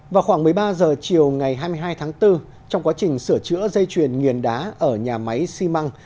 vào khoảng một mươi ba h chiều ngày hai mươi hai tháng bốn trong quá trình sửa chữa dây chuyền nghiền đá ở nhà máy xi măng